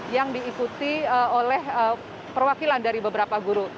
yang diikuti oleh perwakilan dari beberapa guru